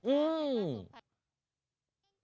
อื้อ